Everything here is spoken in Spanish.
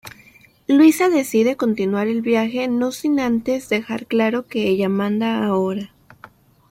Luisa decide continuar el viaje no sin antes dejar claro que ella manda ahora.